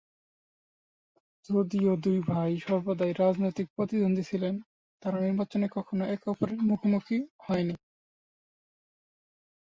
যদিও দুই ভাই সর্বদাই রাজনৈতিক প্রতিদ্বন্দ্বী ছিলেন, তারা নির্বাচনে কখনও একে অপরের মুখোমুখি হয়নি।